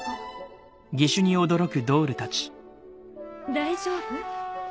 大丈夫？